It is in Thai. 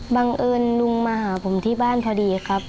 บังเอิญลุงมาหาผมที่บ้านพอดีครับ